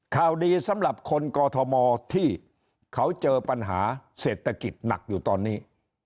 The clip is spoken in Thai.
ข่าวดีสำหรับคนกอทมที่เขาเจอปัญหาเศรษฐกิจหนักอยู่ตอนนี้